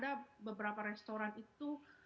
ada beberapa restoran itu